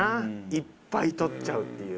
いっぱい取っちゃうっていう。